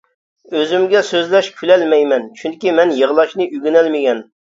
ئۆزۈمگە سۆزلەش كۈلەلمەيمەن چۈنكى مەن يىغلاشنى ئۆگىنەلمىگەن.